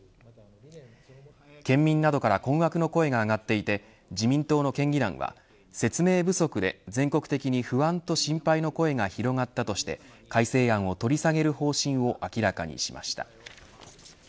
県民などから困惑の声が上がっていて自民党の県議団は説明不足で、全国的に不安と心配の声が広がったとして改正案を取り下げる方針を明らかにしました。